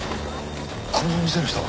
このお店の人は？